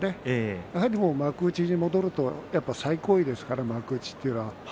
やはり幕内に戻ると最高位ですから幕内は。